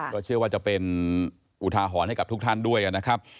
ก็เชื่อว่าจะเป็นอุทาหรณ์ให้กับทุกท่านด้วยนะครับ